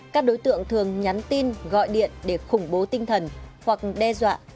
các đối tượng thường nhắn tin gọi điện để khủng bố tinh thần hoặc đe dọa